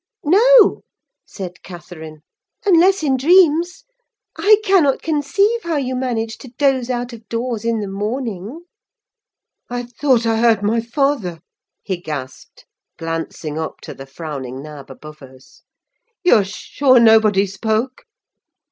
"No," said Catherine; "unless in dreams. I cannot conceive how you manage to doze out of doors, in the morning." "I thought I heard my father," he gasped, glancing up to the frowning nab above us. "You are sure nobody spoke?"